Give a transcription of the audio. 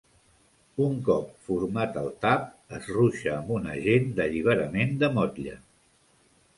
Un cop format el tap, es ruixa amb un agent d'alliberament de motlle.